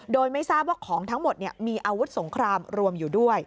โดยไม่ทราบว่าของทั้งหมดมีอาวุธสงครามรวมอยู่ด้วย